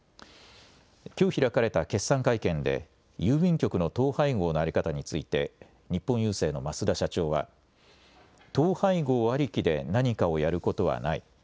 きょう開かれた決算会見で郵便局の統廃合の在り方について日本郵政の増田社長は統廃合ありきで何かをやることはない。